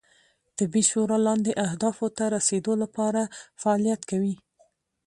طبي شورا لاندې اهدافو ته رسیدو لپاره فعالیت کوي